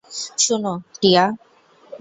শুনো, টিয়া।